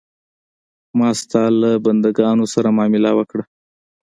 ما ستا له بندګانو سره معامله وکړه.